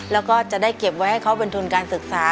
แล้วก็จะได้เก็บไว้ให้เขาเป็นทุนการศึกษา